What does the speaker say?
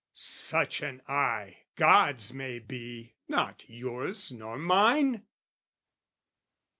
Such an eye, God's may be, not yours nor mine.